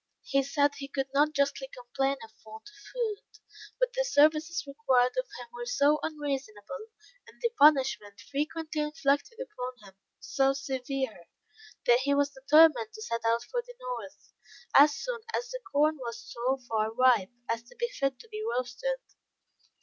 He said he could not justly complain of want of food; but the services required of him were so unreasonable, and the punishment frequently inflicted upon him, so severe, that he was determined to set out for the North, as soon as the corn was so far ripe as to be fit to be roasted.